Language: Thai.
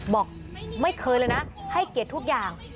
บอกไม่เคยเลยนะให้เกียรติทุกอย่าง